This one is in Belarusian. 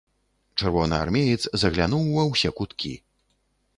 Чырвонаармеец заглянуў ва ўсе куткі.